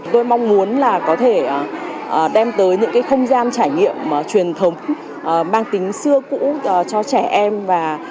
tôi mong muốn là có thể đem tới những cái không gian trải nghiệm truyền thống mang tính xưa cũ cho trẻ em và